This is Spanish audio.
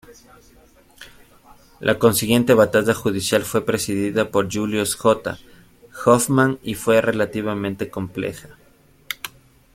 La consiguiente batalla judicial fue presidida por Julius J. Hoffman y fue relativamente compleja.